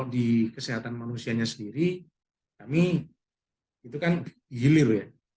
di kesehatan manusianya sendiri kami itu kan dihilir ya